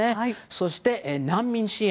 そして難民支援。